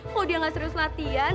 oh dia gak serius latihan